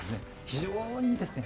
非常にですね